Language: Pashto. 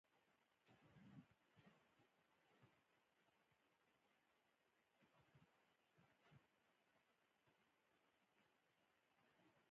درناوی د انسان د اخلاقو ښودنه ده.